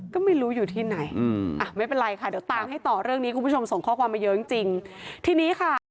ก็ไม่รู้อยู่ที่ไหนอืมอ่ะไม่เป็นไรค่ะเดี๋ยวตามให้ต่อเรื่องนี้คุณผู้ชมส่งข้อความมาเยอะจริงจริงทีนี้ค่ะ